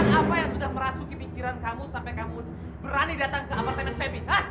apa yang sudah merasuki pikiran kamu sampai kamu berani datang ke apartemen femita